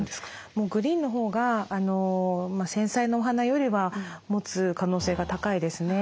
もうグリーンのほうが繊細なお花よりはもつ可能性が高いですね。